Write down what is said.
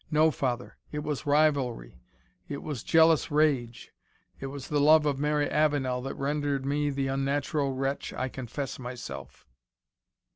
"No, father, it was rivalry it was jealous rage it was the love of Mary Avenel, that rendered me the unnatural wretch I confess myself!"